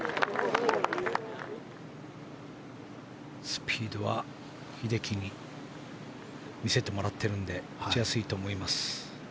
スピードは英樹に見せてもらってるんで打ちやすいと思います。